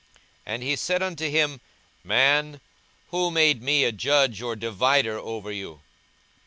42:012:014 And he said unto him, Man, who made me a judge or a divider over you?